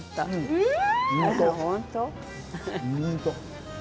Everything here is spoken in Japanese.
うん！